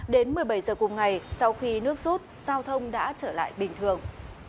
đến một mươi bảy giờ cùng ngày sau khi nước rút giao thông đã trở lại bình thường